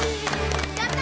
やった！